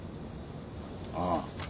ああ。